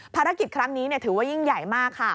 ภารกิจครั้งนี้ถือว่ายิ่งใหญ่มากค่ะ